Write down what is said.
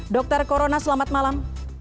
dokter corona selamat malam